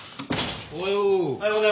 おはよう。